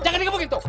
jangan digebukin tuh